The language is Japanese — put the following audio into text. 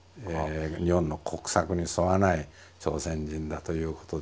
日本の国策に沿わない朝鮮人だということでしょうね。